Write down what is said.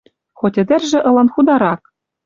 Хоть ӹдӹржӹ ылын хударак.